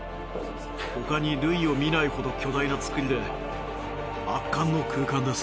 他に類を見ないほど巨大な造りで圧巻の空間です。